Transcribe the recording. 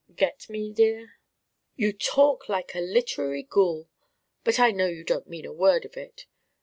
Get me, dear?" "You talk like a literary ghoul. But I know you don't mean a word of it.